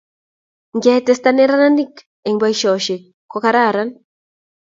ngetesta neranik eng boisosheck ko kararan